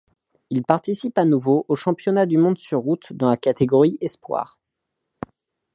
Il participe à nouveau aux championnats du monde sur route dans la catégorie espoirs.